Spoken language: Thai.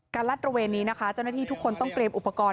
ลัดระเวนนี้นะคะเจ้าหน้าที่ทุกคนต้องเตรียมอุปกรณ์